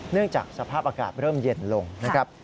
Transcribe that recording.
จากสภาพอากาศเริ่มเย็นลงนะครับ